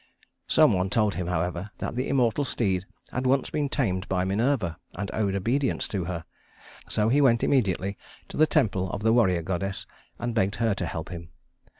Some one told him, however, that the immortal steed had once been tamed by Minerva, and owed obedience to her; so he went immediately to the temple of the warrior goddess, and begged her to help him.